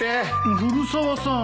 古沢さん